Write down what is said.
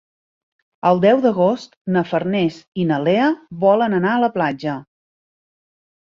El deu d'agost na Farners i na Lea volen anar a la platja.